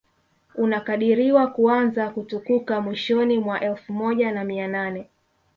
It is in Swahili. unakadiriwa kuanza kutukuka mwishoni mwa elfu moja na mia nane